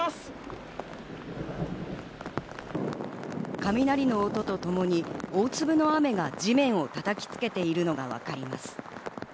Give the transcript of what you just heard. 雷の音とともに大粒の雨が地面を叩きつけているのがわかります。